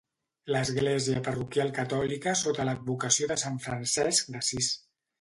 Església parroquial catòlica sota l'advocació de Sant Francesc d'Assís.